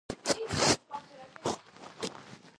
مالیکولونه کولی شي خپل ځای ته تغیر ورکړي.